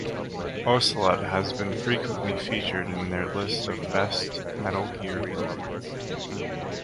Ocelot has been frequently featured in the lists of best "Metal Gear" villains.